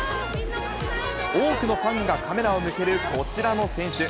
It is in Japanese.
多くのファンがカメラを向けるこちらの選手。